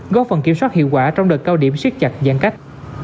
góp phần kiểm soát hiệu quả trong đợt cao điểm siết chặt giãn cách